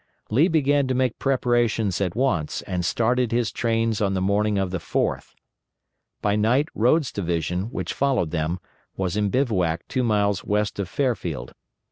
Lee began to make preparations at once and started his trains on the morning of the 4th. By night Rodes' division, which followed them, was in bivouac two miles west of Fairfield.